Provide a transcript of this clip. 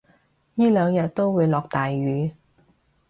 依兩日都會落大雨